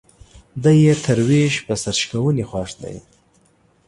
دى يې تر ويش په سر شکوني خوښ دى.